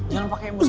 jangan pakai emosi